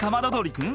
君